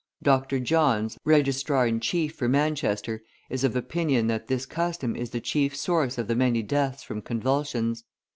Dr. Johns, Registrar in Chief for Manchester, is of opinion that this custom is the chief source of the many deaths from convulsions.